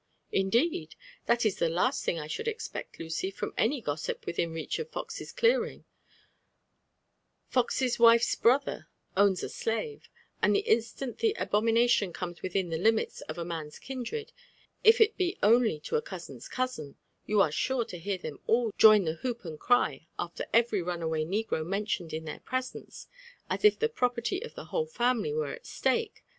'''* Indeed 1 — That is the last thing I should expect, Lucy^ from aay gossip within reach of Fox's clearing. Fox's wife's brother owns a JONATHAN JEirmSON WHITLAW. IM slftte ; and Ike insUiil Ihe abomiDatioD eooies wtOni ib» linAlB of « nun'l kiadred, if it be only to a eousm'9 coasio, you are rare to hear them all join the hoop aad cry after eirety runaway negro mentioned in their presence, as if the property of the whale family woto at stake.